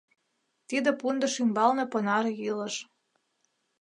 Тиде пундыш ӱмбалне понар йӱлыш.